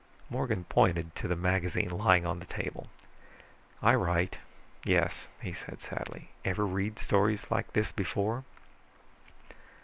Morgan pointed to the magazine lying on the table. "I write, yes," he said sadly. "Ever read stories like this before?"